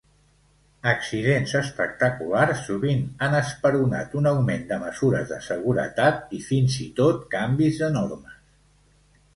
Accidents espectaculars sovint han esperonat un augment de mesures de seguretat i fins i tot, canvis de normes.